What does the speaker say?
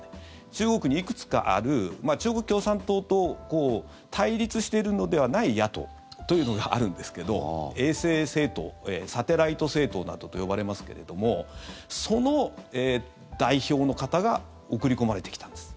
中国にいくつかある中国共産党と対立しているのではない野党というのがあるんですけど衛星政党、サテライト政党などと呼ばれますけれどもその代表の方が送り込まれてきたんです。